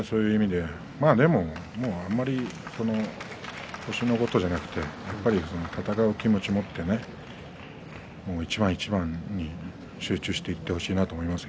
でも、あまり星のことではなく勝つという気持ちを持って一番一番に集中していってほしいなと思います。